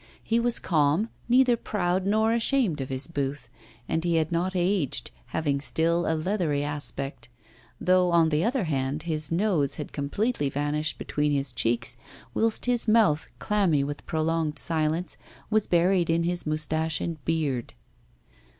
He was calm, neither proud nor ashamed of his booth, and he had not aged, having still a leathery aspect; though, on the other hand, his nose had completely vanished between his cheeks, whilst his mouth, clammy with prolonged silence, was buried in his moustache and beard.